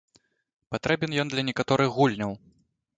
Патрэбен ён для некаторых гульняў.